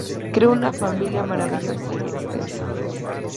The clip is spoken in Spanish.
Creó una familia maravillosa y extensa.